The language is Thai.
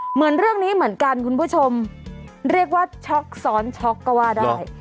เหมือนเรื่องนี้เหมือนกันคุณผู้ชมเรียกว่าช็อกซ้อนช็อกก็ว่าได้